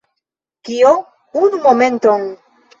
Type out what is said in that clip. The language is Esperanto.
Kio? Unu momenton